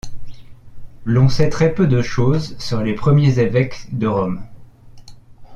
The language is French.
L'on sait très peu de chose sur les premiers évêques de Rome.